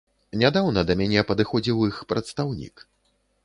Нядаўна да мяне падыходзіў іх прадстаўнік.